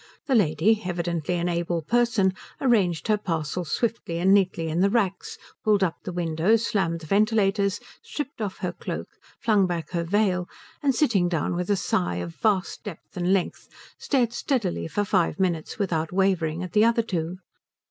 The lady, evidently an able person, arranged her parcels swiftly and neatly in the racks, pulled up the windows, slammed the ventilators, stripped off her cloak, flung back her veil, and sitting down with a sigh of vast depth and length stared steadily for five minutes without wavering at the other two.